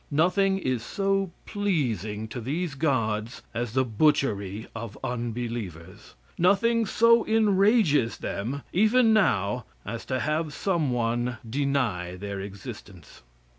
Nothing is so pleasing to these gods as the butchery of unbelievers. Nothing so enrages them, even now as to have some one deny their existence.